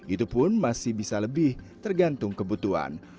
itu pun masih bisa lebih tergantung kebutuhan